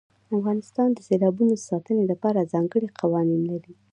افغانستان د سیلابونو د ساتنې لپاره ځانګړي قوانین لري.